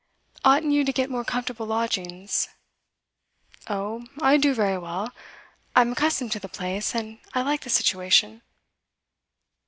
'Oughtn't you to get more comfortable lodgings?' 'Oh, I do very well. I'm accustomed to the place, and I like the situation.